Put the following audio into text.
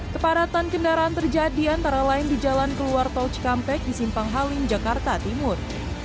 kepadatan kendaraan terjadi antara lain di jalan keluar tol cikampek di simpang halim jakarta timur